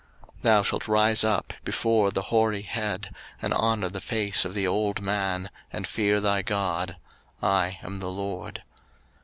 03:019:032 Thou shalt rise up before the hoary head, and honour the face of the old man, and fear thy God: I am the LORD.